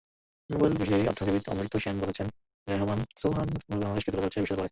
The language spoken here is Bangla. নোবেল বিজয়ী অর্থনীতিবিদ অমর্ত্য সেন বলেছেন, রেহমান সোবহান নতুনভাবে বাংলাদেশকে তুলে ধরেছেন বিশ্বদরবারে।